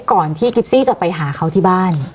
ก่อนที่กิฟซี่จะไปหาเขาที่บ้าน